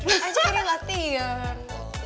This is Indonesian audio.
eh biar aja kira latihan